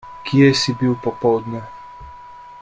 Kje si bil popoldne?